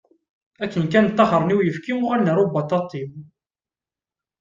Akken kan taxṛen i uyefki, uɣalen ar ubaṭaṭiw.